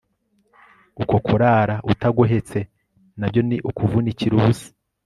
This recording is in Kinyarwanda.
uko kurara utagohetse, na byo ni ukuvunikira ubusa